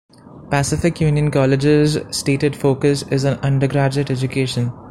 Pacific Union College's stated focus is on undergraduate education.